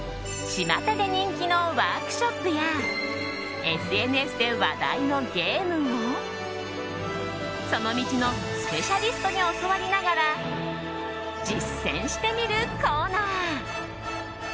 ちまたで人気のワークショップやＳＮＳで話題のゲームをその道のスペシャリストに教わりながら実践してみるコーナー